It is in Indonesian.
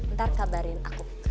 ntar kabarin aku